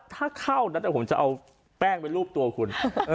ถ้าเข้านะแต่ผมจะเอาแป้งไปรูปตัวคุณ